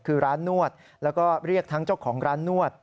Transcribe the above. คือร้านนวดแล้วก็เรียกทั้งเจ้าของร้านนวด